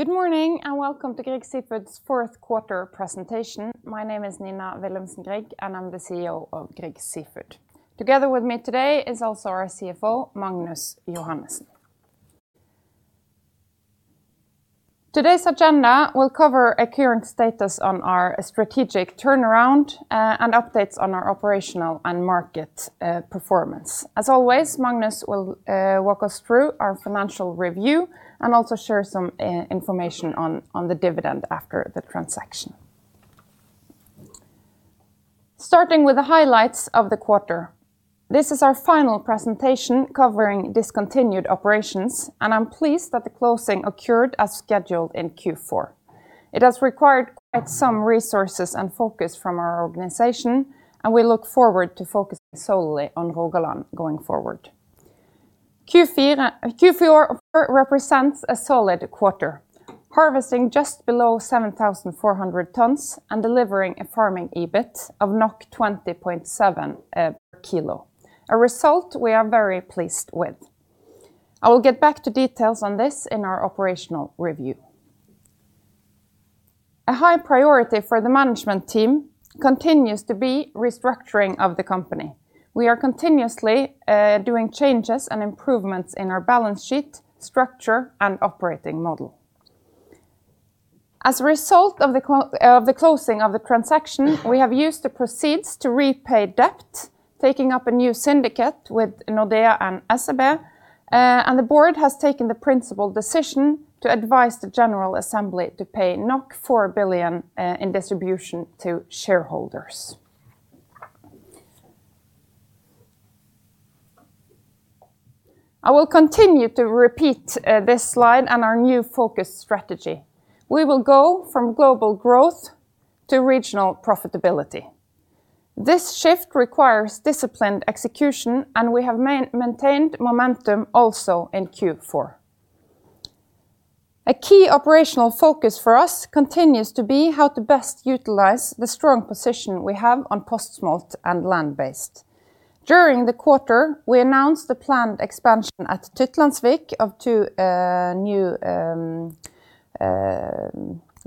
Good morning, and welcome to Grieg Seafood's fourth quarter presentation. My name is Nina Willumsen Grieg, and I'm the CEO of Grieg Seafood. Together with me today is also our CFO, Magnus Johannesen. Today's agenda will cover a current status on our strategic turnaround, and updates on our operational and market performance. As always, Magnus will walk us through our financial review and also share some information on the dividend after the transaction. Starting with the highlights of the quarter. This is our final presentation covering discontinued operations, and I'm pleased that the closing occurred as scheduled in Q4. It has required quite some resources and focus from our organization, and we look forward to focusing solely on Rogaland going forward. Q4 represents a solid quarter, harvesting just below 7,400 tons and delivering a farming EBIT of 20.7 per kilo, a result we are very pleased with. I will get back to details on this in our operational review. A high priority for the management team continues to be restructuring of the company. We are continuously doing changes and improvements in our balance sheet, structure, and operating model. As a result of the closing of the transaction, we have used the proceeds to repay debt, taking up a new syndicate with Nordea and SEB, and the board has taken the principal decision to advise the general assembly to pay 4 billion in distribution to shareholders. I will continue to repeat this slide and our new focus strategy. We will go from global growth to regional profitability. This shift requires disciplined execution, and we have maintained momentum also in Q4. A key operational focus for us continues to be how to best utilize the strong position we have on post-smolt and land-based. During the quarter, we announced the planned expansion at Tytlandsvik of 2 new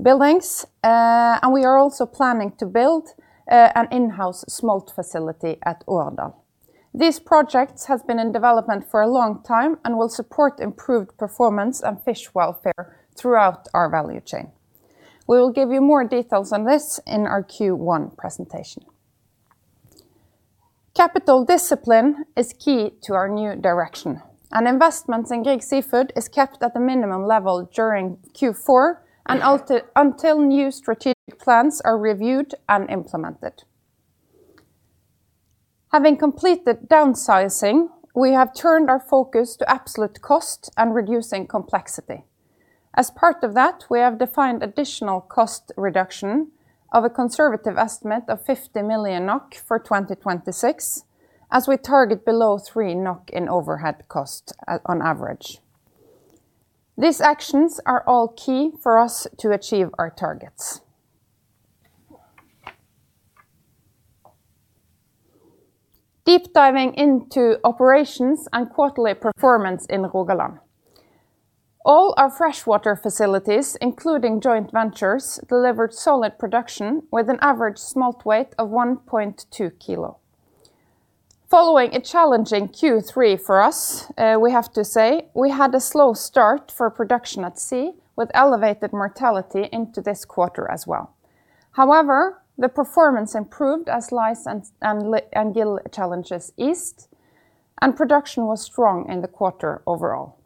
buildings, and we are also planning to build an in-house smolt facility at Årdal. These projects have been in development for a long time and will support improved performance and fish welfare throughout our value chain. We will give you more details on this in our Q1 presentation. Capital discipline is key to our new direction, and investments in Grieg Seafood is kept at the minimum level during Q4 and until new strategic plans are reviewed and implemented. Having completed downsizing, we have turned our focus to absolute cost and reducing complexity. As part of that, we have defined additional cost reduction of a conservative estimate of 50 million NOK for 2026, as we target below 3 NOK in overhead cost on average. These actions are all key for us to achieve our targets. Deep diving into operations and quarterly performance in Rogaland. All our freshwater facilities, including joint ventures, delivered solid production with an average smolt weight of 1.2 kilo. Following a challenging Q3 for us, we have to say, we had a slow start for production at sea, with elevated mortality into this quarter as well. However, the performance improved as lice and gill challenges eased, and production was strong in the quarter overall.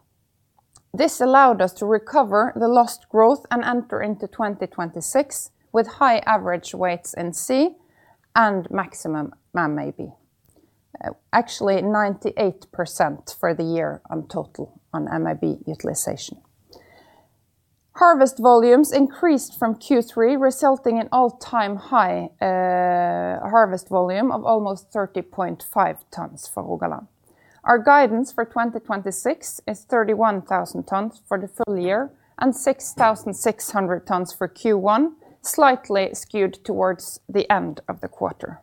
This allowed us to recover the lost growth and enter into 2026 with high average weights in sea and maximum MAB. Actually, 98% for the year on total, on MAB utilization. Harvest volumes increased from Q3, resulting in all-time high harvest volume of almost 30.5 tons for Rogaland. Our guidance for 2026 is 31,000 tons for the full year and 6,600 tons for Q1, slightly skewed towards the end of the quarter.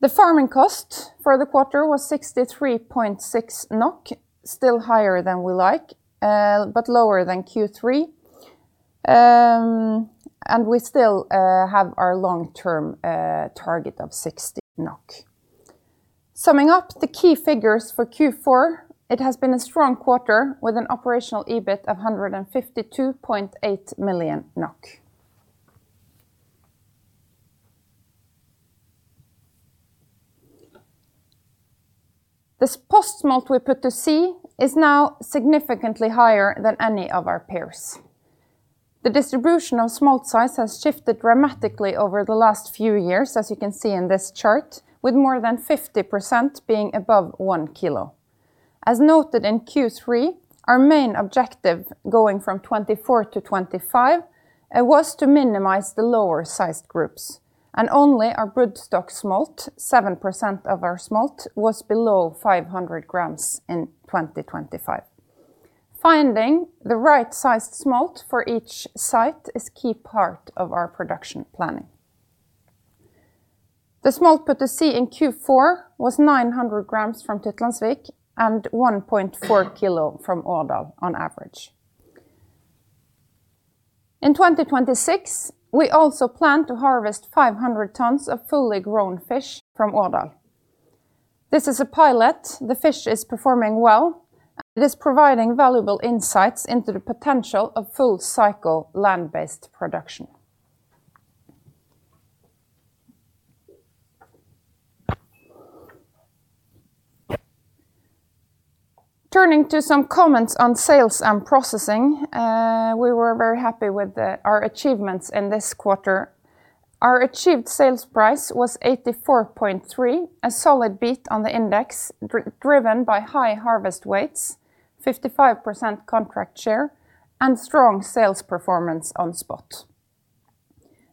The farming cost for the quarter was 63.6 NOK, still higher than we like, but lower than Q3. We still have our long-term target of 60 NOK. Summing up the key figures for Q4, it has been a strong quarter, with an operational EBIT of 152.8 million NOK. The post-smolt we put to sea is now significantly higher than any of our peers. The distribution of smolt size has shifted dramatically over the last few years, as you can see in this chart, with more than 50% being above 1 kilo. As noted in Q3, our main objective going from 2024 to 2025 was to minimize the lower sized groups, and only our brood stock smolt, 7% of our smolt, was below 500 grams in 2025. Finding the right sized smolt for each site is key part of our production planning. The smolt put to sea in Q4 was 900 grams from Tytlandsvik and 1.4 kilo from Årdal on average. In 2026, we also plan to harvest 500 tons of fully grown fish from Årdal. This is a pilot. The fish is performing well, and it is providing valuable insights into the potential of full cycle land-based production. Turning to some comments on sales and processing, we were very happy with our achievements in this quarter. Our achieved sales price was 84.3, a solid beat on the index, driven by high harvest weights, 55% contract share, and strong sales performance on spot.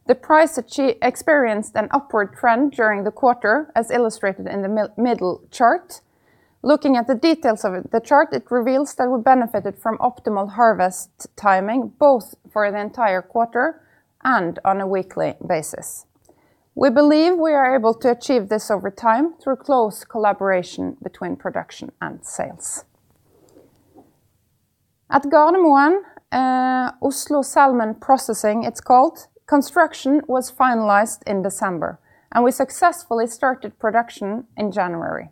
The price experienced an upward trend during the quarter, as illustrated in the middle chart. Looking at the details of it, the chart, it reveals that we benefited from optimal harvest timing, both for the entire quarter and on a weekly basis. We believe we are able to achieve this over time through close collaboration between production and sales. At Gardermoen, Oslo Salmon Processing, it's called, construction was finalized in December, and we successfully started production in January.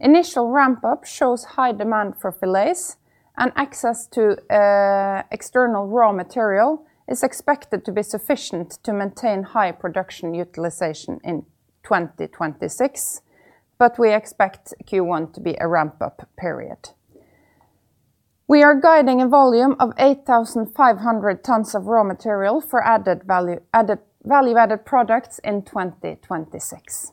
Initial ramp-up shows high demand for filets, and access to external raw material is expected to be sufficient to maintain high production utilization in 2026, but we expect Q1 to be a ramp-up period. We are guiding a volume of 8,500 tons of raw material for value-added products in 2026.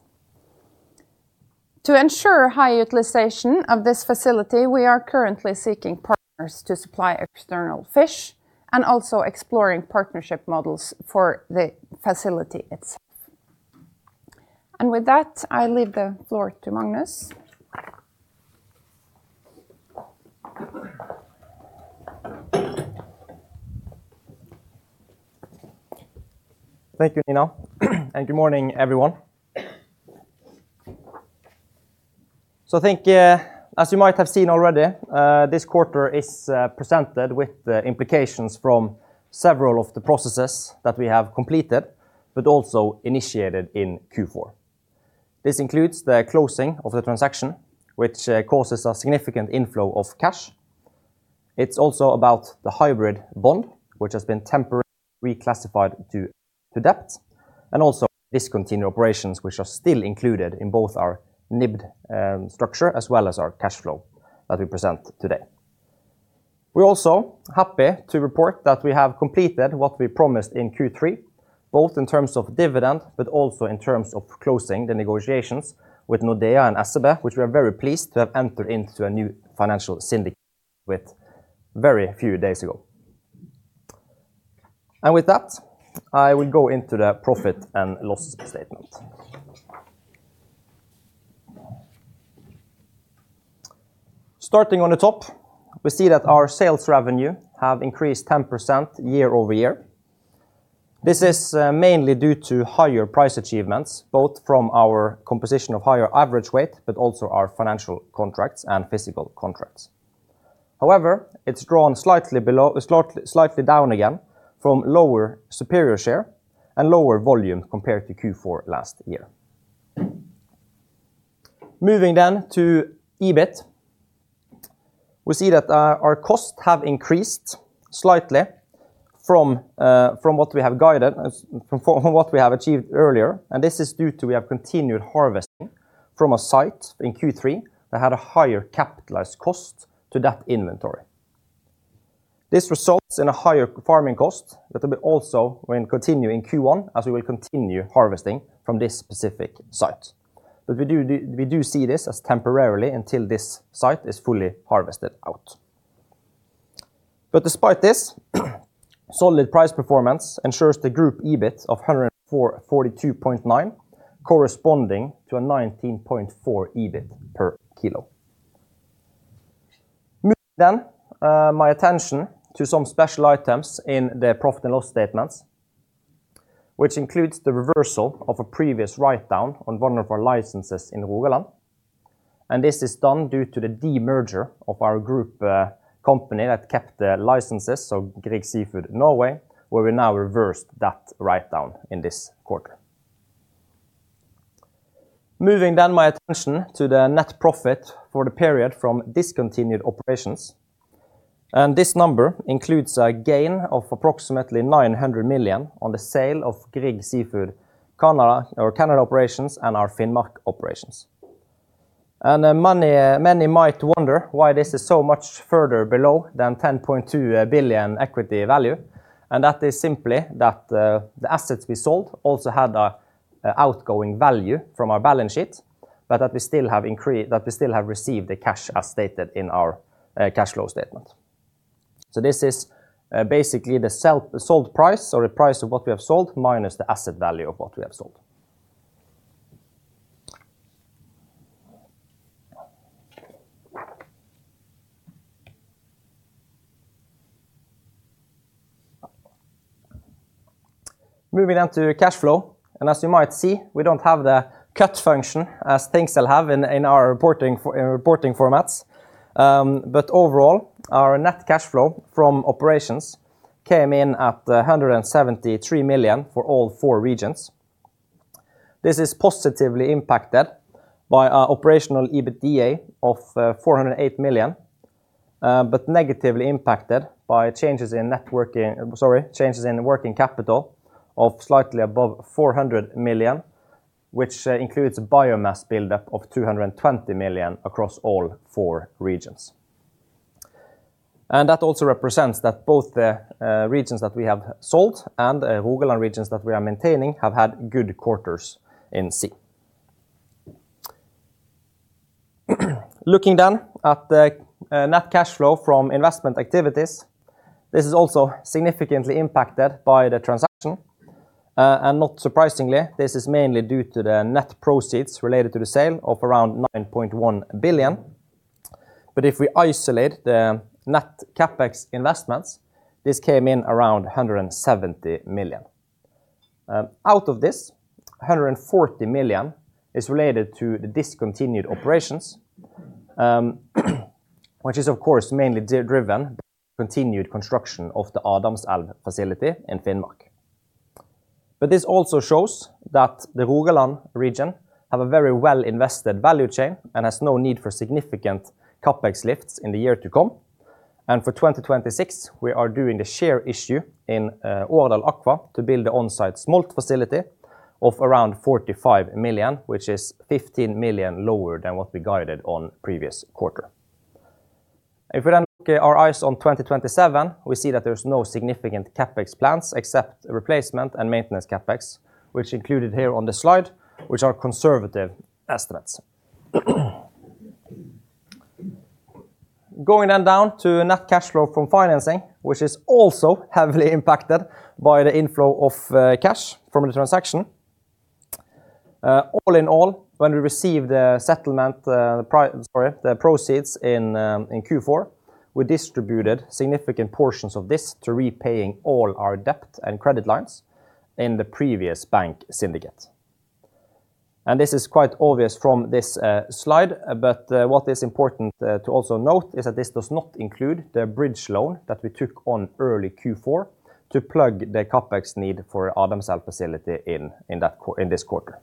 To ensure high utilization of this facility, we are currently seeking partners to supply external fish and also exploring partnership models for the facility itself. With that, I leave the floor to Magnus. Thank you, Nina, and good morning, everyone. I think, as you might have seen already, this quarter is presented with the implications from several of the processes that we have completed, but also initiated in Q4. This includes the closing of the transaction, which causes a significant inflow of cash. It's also about the hybrid bond, which has been temporarily reclassified to debt, and also discontinued operations, which are still included in both our NIBD structure, as well as our cash flow that we present today. We're also happy to report that we have completed what we promised in Q3, both in terms of dividend, but also in terms of closing the negotiations with Nordea and SEB, which we are very pleased to have entered into a new financial syndicate with very few days ago. With that, I will go into the profit and loss statement. Starting on the top, we see that our sales revenue have increased 10% year-over-year. This is mainly due to higher price achievements, both from our composition of higher average weight, but also our financial contracts and physical contracts. However, it's drawn slightly below, slightly down again from lower superior share and lower volume compared to Q4 last year. Moving to EBIT, we see that our costs have increased slightly from what we have guided, from what we have achieved earlier, and this is due to we have continued harvesting from a site in Q3 that had a higher capitalized cost to that inventory. This results in a higher farming cost that will also continue in Q1, as we will continue harvesting from this specific site. We do see this as temporarily until this site is fully harvested out. Despite this, solid price performance ensures the group EBIT of 142.9, corresponding to a 19.4 EBIT per kilo. Moving my attention to some special items in the profit and loss statements, which includes the reversal of a previous write-down on one of our licenses in Rogaland. This is done due to the de-merger of our group company that kept the licenses, Grieg Seafood Norway, where we now reversed that write-down in this quarter. Moving my attention to the net profit for the period from discontinued operations, and this number includes a gain of approximately 900 million on the sale of Grieg Seafood Canada, or Canada operations and our Finnmark operations. Many might wonder why this is so much further below than 10.2 billion equity value. That is simply that the assets we sold also had an outgoing value from our balance sheet, but that we still have received the cash as stated in our cash flow statement. This is basically the sold price or the price of what we have sold minus the asset value of what we have sold. Moving on to cash flow. As you might see, we don't have the cut function as things still have in our reporting formats. Overall, our net cash flow from operations came in at 173 million for all four regions. This is positively impacted by our operational EBITDA of 408 million, negatively impacted by changes in working capital of slightly above 400 million, which includes a biomass buildup of 220 million across all four regions. That also represents that both the regions that we have sold and Rogaland regions that we are maintaining have had good quarters in C. Looking at the net cash flow from investment activities, this is also significantly impacted by the transaction. Not surprisingly, this is mainly due to the net proceeds related to the sale of around 9.1 billion. If we isolate the net CapEx investments, this came in around 170 million. Out of this, 140 million is related to the discontinued operations, which is, of course, mainly driven continued construction of the Adamselv facility in Finnmark. This also shows that the Rogaland region have a very well-invested value chain and has no need for significant CapEx lifts in the year to come. For 2026, we are doing the share issue in Årdal Aqua to build the on-site smolt facility of around 45 million, which is 15 million lower than what we guided on previous quarter. If we then look our eyes on 2027, we see that there's no significant CapEx plans except replacement and maintenance CapEx, which included here on the slide, which are conservative estimates. Going then down to net cash flow from financing, which is also heavily impacted by the inflow of cash from the transaction. All in all, when we receive the settlement, the proceeds in Q4, we distributed significant portions of this to repaying all our debt and credit lines in the previous bank syndicate. This is quite obvious from this slide, but what is important to also note is that this does not include the bridge loan that we took on early Q4 to plug the CapEx need for Adamselv facility in this quarter.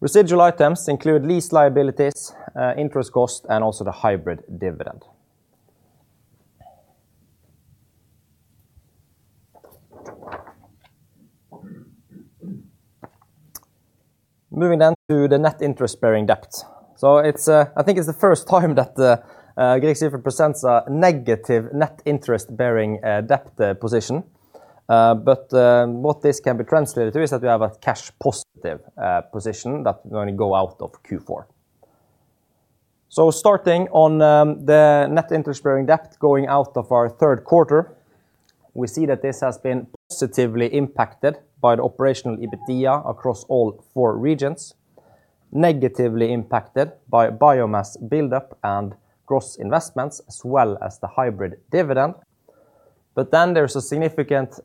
Residual items include lease liabilities, interest cost, and also the hybrid dividend. Moving down to the net interest-bearing debt. It's I think it's the first time that the Grieg Seafood presents a negative net interest-bearing debt position. What this can be translated to is that we have a cash positive position that going to go out of Q4. Starting on the net interest-bearing debt going out of our third quarter, we see that this has been positively impacted by the operational EBITDA across all 4 regions, negatively impacted by biomass buildup and gross investments, as well as the hybrid dividend. There's a significant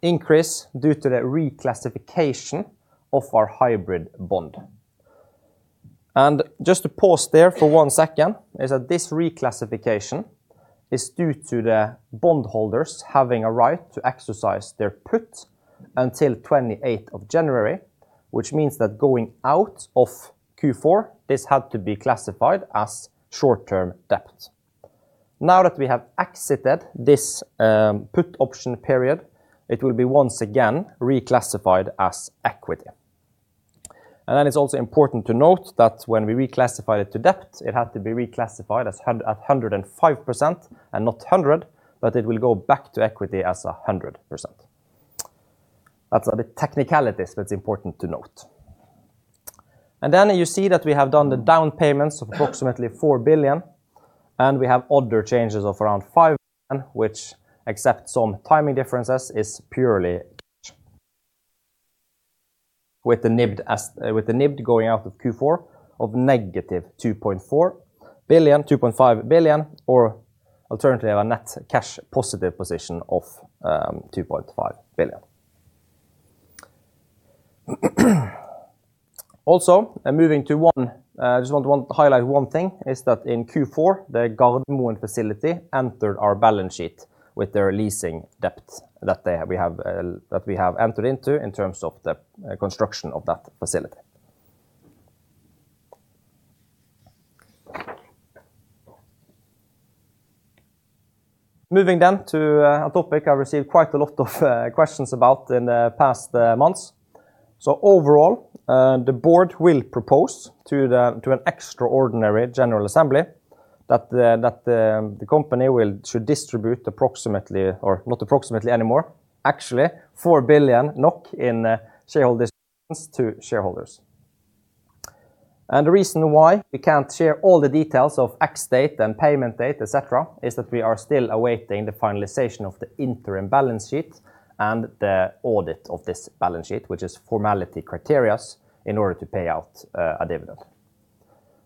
increase due to the reclassification of our hybrid bond. Just to pause there for 1 second, is that this reclassification is due to the bondholders having a right to exercise their put until 28 of January, which means that going out of Q4, this had to be classified as short-term debt. Now that we have exited this put option period, it will be once again reclassified as equity. It's also important to note that when we reclassify it to debt, it had to be reclassified at 105% and not 100%, but it will go back to equity as 100%. That's a bit technicalities, but it's important to note. You see that we have done the down payments of approximately 4 billion, and we have other changes of around 5 billion, which, except some timing differences, is purely. With the NIBD as, with the NIBD going out of Q4 of negative 2.4 billion, 2.5 billion, or alternatively, a net cash positive position of 2.5 billion. Moving to one, I just want to highlight one thing, is that in Q4, the Gardermoen facility entered our balance sheet with the releasing debt that we have entered into in terms of the construction of that facility. Moving then to a topic I received quite a lot of questions about in the past months. Overall, the board will propose to an extraordinary general assembly that the company should distribute approximately, or not approximately anymore, actually, 4 billion NOK in shareholders to shareholders. The reason why we can't share all the details of X date and payment date, et cetera, is that we are still awaiting the finalization of the interim balance sheet and the audit of this balance sheet, which is formality criteria in order to pay out a dividend.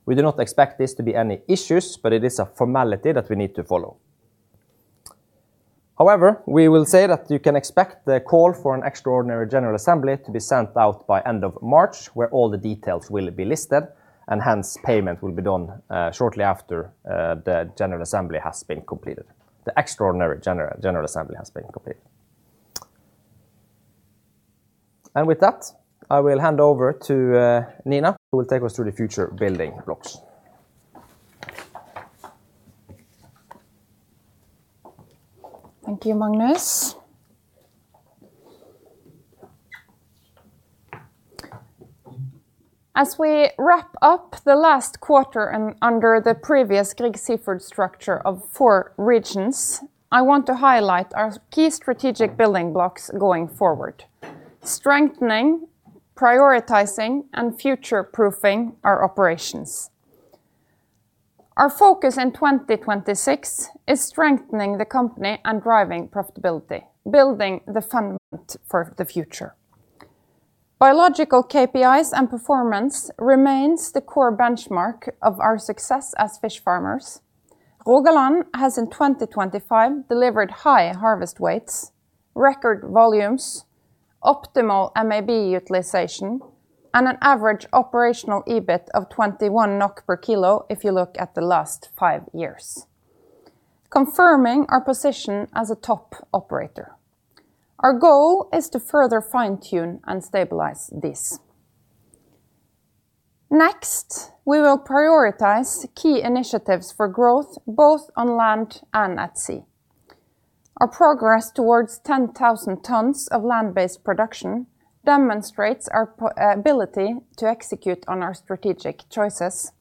We do not expect this to be any issues, but it is a formality that we need to follow. However, we will say that you can expect the call for an extraordinary general assembly to be sent out by end of March, where all the details will be listed, and hence, payment will be done shortly after the general assembly has been completed. The extraordinary general assembly has been completed. With that, I will hand over to Nina, who will take us through the future building blocks. Thank you, Magnus. As we wrap up the last quarter and under the previous Grieg Seafood structure of 4 regions, I want to highlight our key strategic building blocks going forward: strengthening, prioritizing, and future-proofing our operations. Our focus in 2026 is strengthening the company and driving profitability, building the fundament for the future. Biological KPIs and performance remains the core benchmark of our success as fish farmers. Rogaland has in 2025 delivered high harvest weights, record volumes, optimal MAB utilization, and an average operational EBIT of 21 NOK per kilo if you look at the last 5 years, confirming our position as a top operator. We will prioritize key initiatives for growth, both on land and at sea. Our progress towards 10,000 tons of land-based production demonstrates our ability to execute on our strategic choices.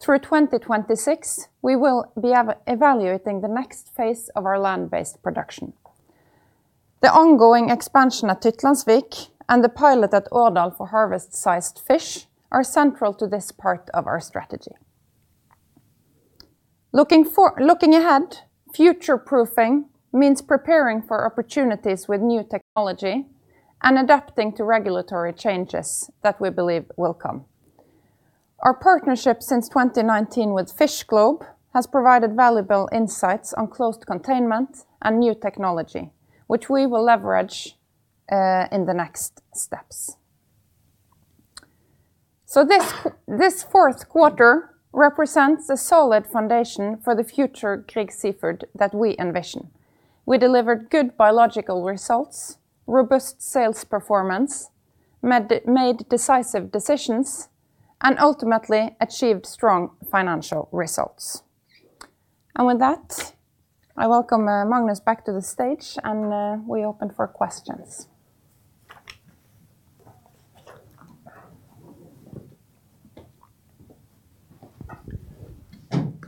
Through 2026, we will be evaluating the next phase of our land-based production. The ongoing expansion at Tytlandsvik and the pilot at Årdal for harvest-sized fish are central to this part of our strategy. Looking ahead, future-proofing means preparing for opportunities with new technology and adapting to regulatory changes that we believe will come. Our partnership since 2019 with FishGLOBE has provided valuable insights on closed containment and new technology, which we will leverage in the next steps. This fourth quarter represents a solid foundation for the future Grieg Seafood that we envision. We delivered good biological results, robust sales performance, made decisive decisions, and ultimately achieved strong financial results. With that, I welcome Magnus back to the stage, and we open for questions.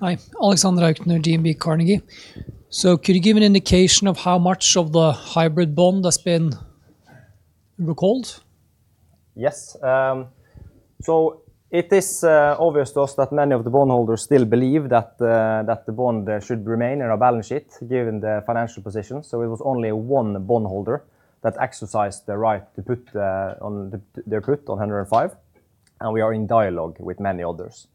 Hi. Alexander Aukner, DNB Carnegie. Could you give an indication of how much of the hybrid bond has been recalled? Yes, it is obvious to us that many of the bondholders still believe that the bond should remain in our balance sheet, given the financial position. It was only one bondholder that exercised the right to put their put on 105, and we are in dialogue with many others.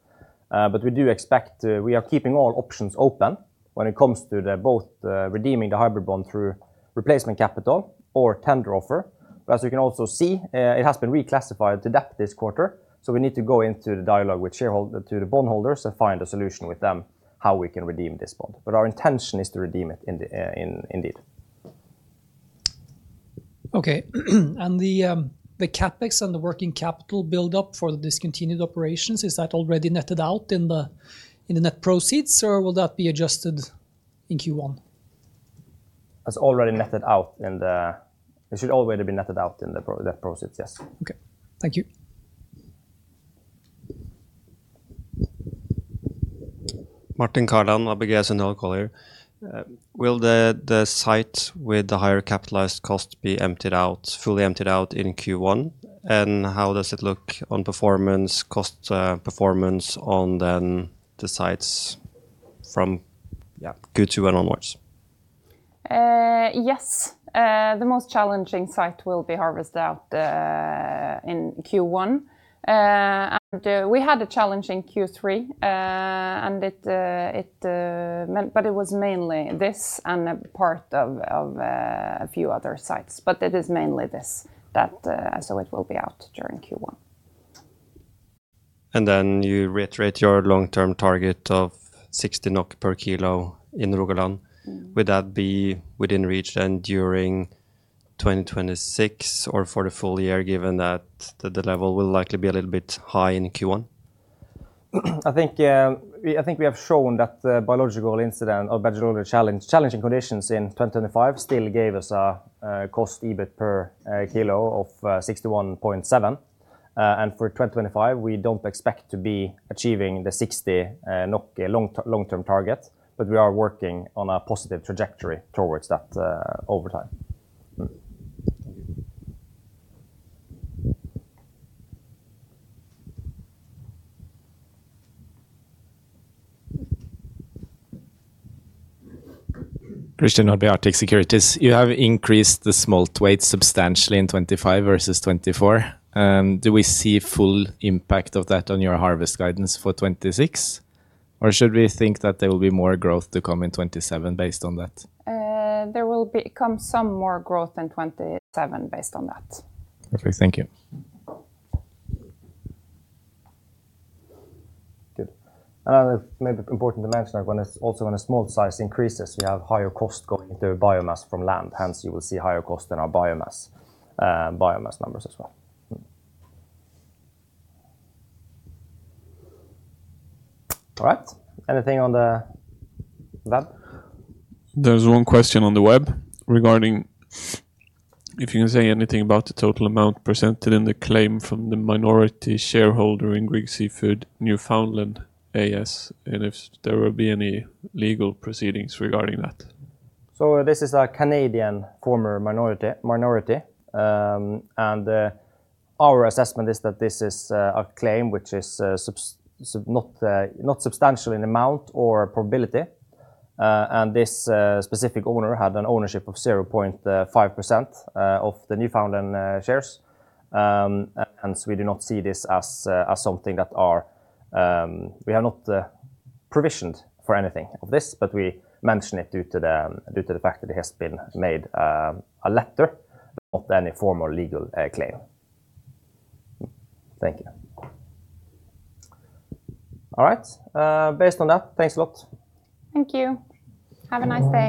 We do expect we are keeping all options open when it comes to the both redeeming the hybrid bond through replacement capital or tender offer. As you can also see, it has been reclassified to debt this quarter, so we need to go into the dialogue with shareholder, to the bondholders and find a solution with them, how we can redeem this bond. Our intention is to redeem it in the, indeed. Okay. The CapEx and the working capital build-up for the discontinued operations, is that already netted out in the net proceeds, or will that be adjusted in Q1? It should already be netted out in the proceeds, yes. Okay. Thank you. Will the site with the higher capitalized cost be emptied out, fully emptied out in Q1? How does it look on performance, cost, performance on then the sites from Q2 and onwards? Yes. The most challenging site will be harvested out in Q1. We had a challenge in Q3, and it meant... It was mainly this and a part of a few other sites. It is mainly this, that. It will be out during Q1. You reiterate your long-term target of 60 NOK per kilo in Rogaland. Mm-hmm. Would that be within reach then during 2026 or for the full year, given that the level will likely be a little bit high in Q1? I think we have shown that the biological challenging conditions in 2025 still gave us a cost EBIT per kilo of 61.7. For 2025, we don't expect to be achieving the 60 long-term target, but we are working on a positive trajectory towards that over time. Thank you. Christian Orre, Arctic Securities. You have increased the smolt weight substantially in 2025 versus 2024. Do we see full impact of that on your harvest guidance for 2026, or should we think that there will be more growth to come in 2027 based on that? There will become some more growth in 2027 based on that. Okay. Thank you. Good. Another maybe important to mention, also when a smolt size increases, we have higher cost going through biomass from land, hence you will see higher cost in our biomass numbers as well. Mm. All right. Anything on the web? There's one question on the web regarding, if you can say anything about the total amount presented in the claim from the minority shareholder in Grieg Seafood Newfoundland AS, and if there will be any legal proceedings regarding that. This is a Canadian former minority, and our assessment is that this is a claim which is not substantial in amount or probability. This specific owner had an ownership of 0.5% of the Newfoundland shares. We do not see this as something that We have not provisioned for anything of this, but we mention it due to the fact that it has been made a letter, not any formal legal claim. Thank you. All right, based on that, thanks a lot. Thank you. Have a nice day.